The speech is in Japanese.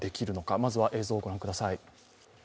まずは映像をご覧ください。